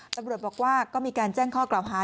ตำรวจบอกว่าก็มีการแจ้งข้อกล่าวหา